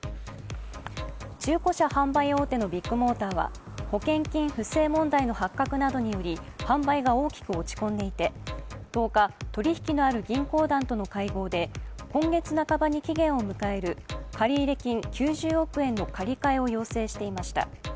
中古車販売大手のビッグモーターは保険金不正問題の発覚などにより販売が大きく落ち込んでいて１０日、取り引きのある銀行団との会合で、今月半ばに期限を迎える借入金９０億円の借り換えを要請していました。